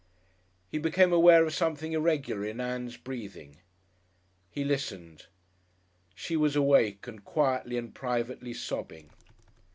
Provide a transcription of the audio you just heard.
He became aware of something irregular in Ann's breathing.... He listened. She was awake and quietly and privately sobbing!